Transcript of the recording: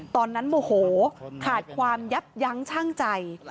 โมโหขาดความยับยั้งชั่งใจ